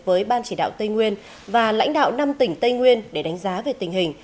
với ban chỉ đạo tây nguyên và lãnh đạo năm tỉnh tây nguyên để đánh giá về tình hình